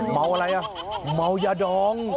เมาอะไรมัวยาดอง